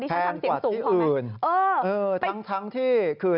แพงกว่าที่อื่น